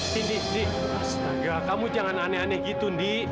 di di astaga kamu jangan aneh aneh gitu indi